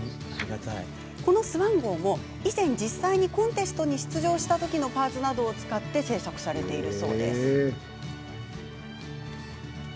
このスワン号も以前、実際にコンテストに出場した時のパーツなどを使用し製作されているそうです。